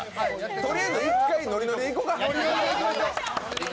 とりあえず１回ノリノリでいこか。